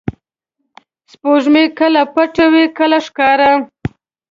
• سپوږمۍ کله پټه وي، کله ښکاره.